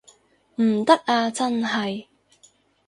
唔得啊真係